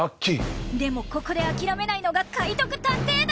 でもここで諦めないのが買いトク探偵団！